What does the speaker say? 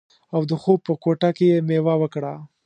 او د خوب په کوټه کې یې میوه وکړه